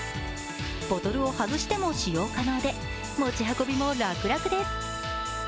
ボトルを外しても使用可能で持ち運びも楽々です。